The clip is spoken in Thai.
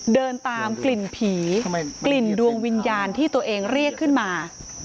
เดินตามกลิ่นผีกลิ่นดวงวิญญาณที่ตัวเองเรียกขึ้นมา